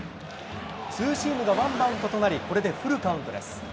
ツーシームがワンバウンドとなり、これでフルカウントです。